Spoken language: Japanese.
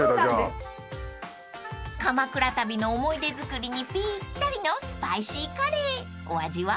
［鎌倉旅の思い出作りにぴったりのスパイシーカレーお味は？］